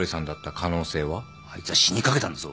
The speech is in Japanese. あいつは死にかけたんだぞ！